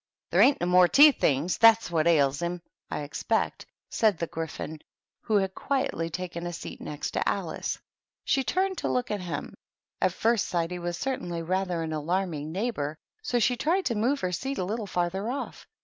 There ain't no more tea things. That's what 66 THE TEA TABLE. ails hiniy I expect," said the Gryphon, who had quietly taken a seat next to Alice. She turned to look at him; at first sight he was certainly rather an alarming neighbor, so she tried to move her seat a little farther off.